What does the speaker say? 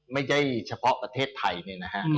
ไม่ใช่เฉพาะประเทศไทยเนี่ยนะฮะ